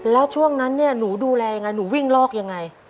แล้วช่วงนั้นหนูดูแลอย่างไรหนูวิ่งลอกอย่างไร